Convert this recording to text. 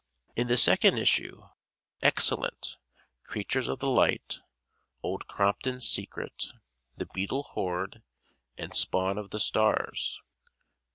In the second issue: Excellent: "Creatures of the Light," "Old Crompton's Secret," "The Beetle Horde" and "Spawn of the Stars."